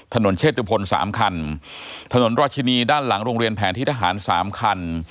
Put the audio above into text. เชตุพลสามคันถนนราชินีด้านหลังโรงเรียนแผนที่ทหารสามคัน